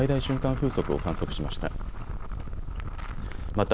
風速を観測しました。